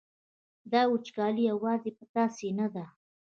دا وچکالي یوازې په تاسې نه ده.